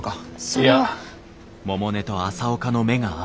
いや。